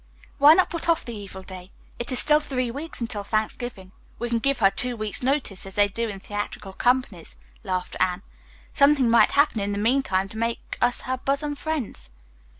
"Why not put off the evil day? It is still three weeks until Thanksgiving. We can give her two weeks' notice, as they do in theatrical companies," laughed Anne. "Something might happen in the meantime to make us her bosom friends."